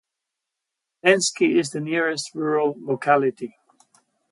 Lensky is the nearest rural locality.